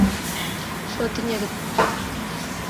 Só tiña que traballar.